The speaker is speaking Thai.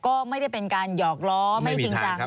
ก็ไม่ได้เป็นการหยอกล้อไม่จริงจัง